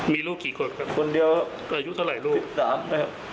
มีลูกกี่คนครับอายุเท่าไหร่ลูก๑๓แล้วครับ